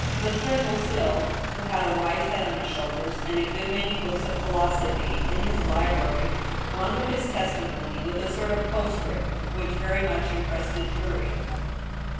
Maitre Boisselot, who had a wise head on his shoulders, and a good many books of philosophy in his library, wound up his testi mony with a sort of postscript, which very much impressed the jury.